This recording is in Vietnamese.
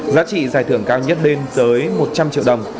giá trị giải thưởng cao nhất lên tới một trăm linh triệu đồng